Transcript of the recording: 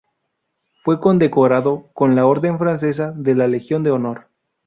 Fue condecorado con la orden francesa de la Legión de honor.